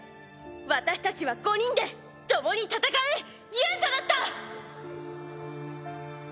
私たちは５人で共に戦う勇者だった！